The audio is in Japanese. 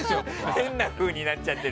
変なふうになっちゃってる。